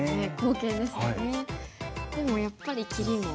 でもやっぱり切りも。